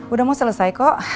udah mau selesai kok